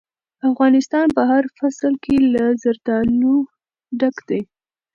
افغانستان په هر فصل کې له زردالو ډک دی.